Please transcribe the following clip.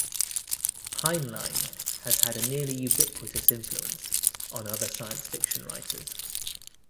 Heinlein has had a nearly ubiquitous influence on other science fiction writers.